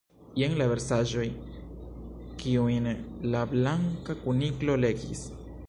Jen la versaĵoj kiujn la Blanka Kuniklo legis.